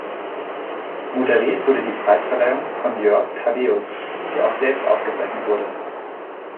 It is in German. Moderiert wurde die Preisverleihung von Jörg Thadeusz, der auch selbst ausgezeichnet wurde.